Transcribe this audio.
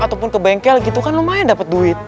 ataupun ke bengkel gitu kan lumayan dapat duit